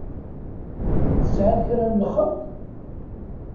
Tesεiḍ kra n lxeṭṭ?